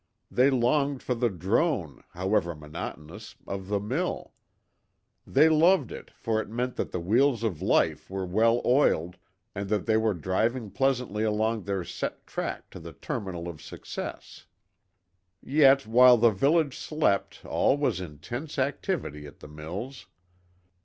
They longed for the drone, however monotonous, of the mill. They loved it, for it meant that their wheels of life were well oiled, and that they were driving pleasantly along their set track to the terminal of success. Yet while the village slept all was intense activity at the mills.